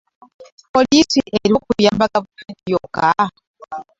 Poliisi eriwo kuyamba gavumenti yokka?